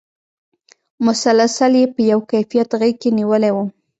مسلسل یې په یوه کیفیت غېږ کې نېولی وم.